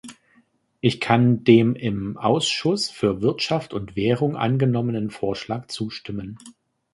Ich kann dem im Ausschuss für Wirtschaft und Währung angenommenen Vorschlag zustimmen.